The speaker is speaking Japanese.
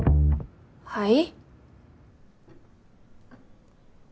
はい？